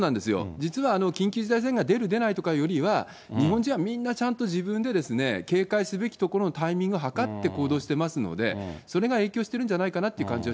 実は緊急事態宣言が出る、出ないとかよりは、日本人はみんなちゃんと自分で警戒すべきところのタイミング計って行動してますので、それが影響してるんじゃないかなという感じ